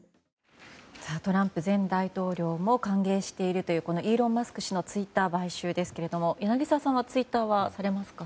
トランプ前大統領も歓迎しているというイーロン・マスク氏のツイッター買収ですが柳澤さんはツイッターされますか？